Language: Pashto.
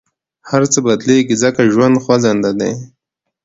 هر څه بدلېږي، ځکه ژوند خوځنده دی.